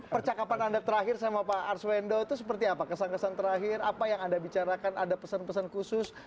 percakapan anda terakhir sama pak arswendo itu seperti apa kesan kesan terakhir apa yang anda bicarakan ada pesan pesan khusus